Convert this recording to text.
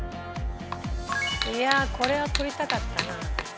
いやこれは取りたかったな。